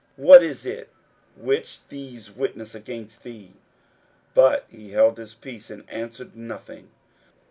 what is it which these witness against thee? 41:014:061 But he held his peace, and answered nothing.